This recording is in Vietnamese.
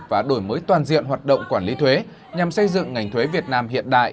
và đổi mới toàn diện hoạt động quản lý thuế nhằm xây dựng ngành thuế việt nam hiện đại